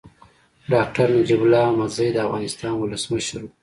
ډاکټر نجيب الله احمدزی د افغانستان ولسمشر و.